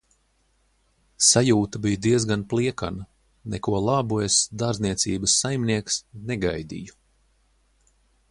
"Sajūta bij diezgan pliekana, neko labu es "dārzniecības saimnieks" negaidīju."